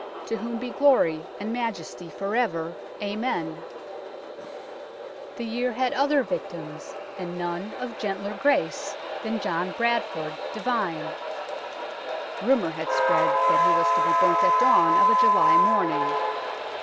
To whom be glory and majesty for ever. Amen !" The year had other victims, and none of gentler grace than John Bradford, divine. Rumour had spread that he was to be burnt at dawn of a July morning.